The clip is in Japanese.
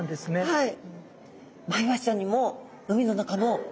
はい。